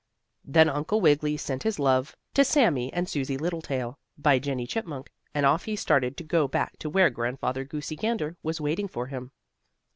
Then Uncle Wiggily sent his love to Sammie and Susie Littletail, by Jennie Chipmunk, and off he started to go back to where Grandfather Goosey Gander was waiting for him.